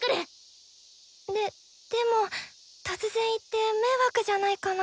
ででも突然行って迷惑じゃないかな？